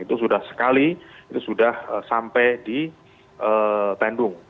itu sudah sekali itu sudah sampai di tendung